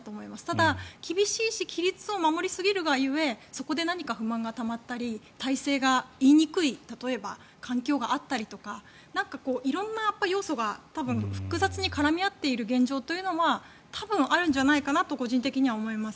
ただ、厳しいし規律を守りすぎるが故そこで何か不満がたまったり体制が、言いにくい例えば環境があったりとか色んな要素が多分、複雑に絡み合っている現状というのは多分あるんじゃないかなと個人的には思います。